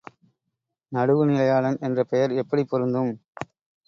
நடுவுநிலையாளன் என்ற பெயர் எப்படிப் பொருந்தும்?